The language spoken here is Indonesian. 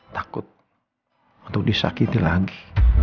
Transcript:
takut untuk disakiti lagi